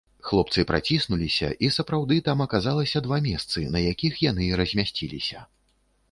Хлопцы праціснуліся, і сапраўды там аказалася два месцы, на якіх яны і размясціліся.